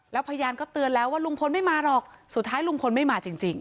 แล้วพยานก็เตือนแล้วว่าลุงพลไม่มาหรอกสุดท้ายลุงพลไม่มาจริง